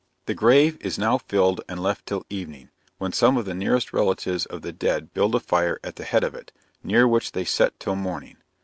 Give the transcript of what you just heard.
The grave is now filled and left till evening, when some of the nearest relatives of the dead build a fire at the head of it, near which they set till morning.